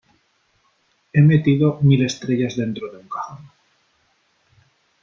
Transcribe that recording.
He metido mil estrellas dentro de un cajón.